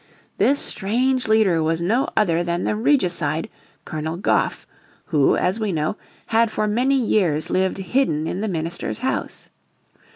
This strange leader was no other than the regicide, Colonel Goffe, who, as we know, had for many years lived hidden in the minister's house.